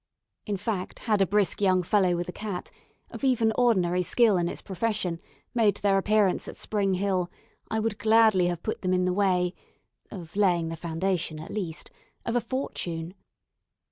Indeed, had a brisk young fellow with a cat, of even ordinary skill in its profession, made their appearance at Spring Hill, I would gladly have put them in the way of laying the foundation, at least of a fortune.